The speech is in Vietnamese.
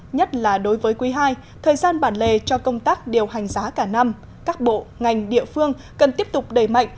nhất là đối với quý ii thời gian bản lề cho công tác điều hành giá cả năm các bộ ngành địa phương cần tiếp tục đẩy mạnh